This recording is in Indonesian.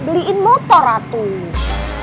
beliin motor atuh